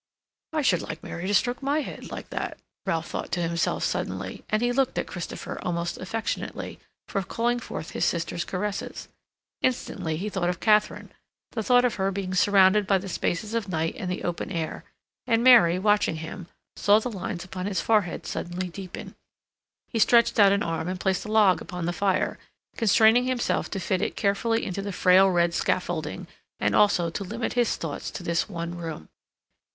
"I should like Mary to stroke my head like that," Ralph thought to himself suddenly, and he looked at Christopher, almost affectionately, for calling forth his sister's caresses. Instantly he thought of Katharine, the thought of her being surrounded by the spaces of night and the open air; and Mary, watching him, saw the lines upon his forehead suddenly deepen. He stretched out an arm and placed a log upon the fire, constraining himself to fit it carefully into the frail red scaffolding, and also to limit his thoughts to this one room.